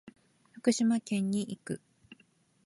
福島県に行く。